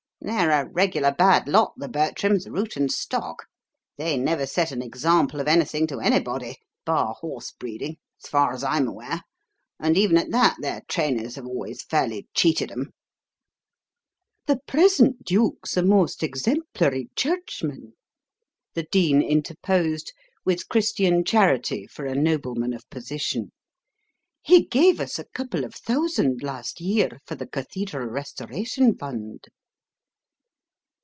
They're a regular bad lot, the Bertrams, root and stock. They never set an example of anything to anybody bar horse breeding, as far as I'm aware; and even at that their trainers have always fairly cheated 'em." "The present duke's a most exemplary churchman," the Dean interposed, with Christian charity for a nobleman of position. "He gave us a couple of thousand last year for the cathedral restoration fund."